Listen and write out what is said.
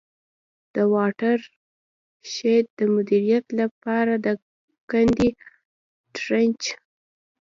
د واټر شید د مدیریت له پاره د کندي Trench.